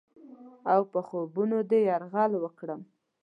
اوپه خوبونو دې یرغل وکړم؟